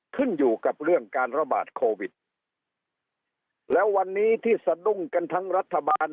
ขึ้นอยู่กับเรื่องการระบาดโควิดแล้ววันนี้ที่สะดุ้งกันทั้งรัฐบาล